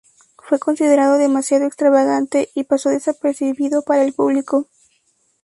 Fue considerado demasiado extravagante y pasó desapercibido para el público.